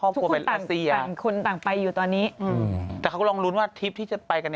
แล้วก็ถ้ากูขาดแต่งงานกันก็ก็ดีดีใจกัน